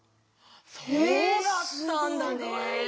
そうだったんだね。